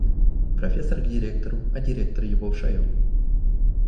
Профессор к директору, а директор его в шею.